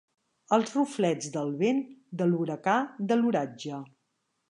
Els ruflets del vent, de l'huracà, de l'oratge.